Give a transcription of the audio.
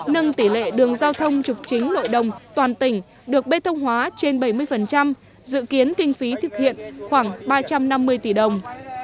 nâng tỷ lệ đường giao thông trục chính nội đồng toàn tỉnh được bê tông hóa trên bảy mươi dự kiến kinh phí thực hiện khoảng ba trăm năm mươi tỷ đồng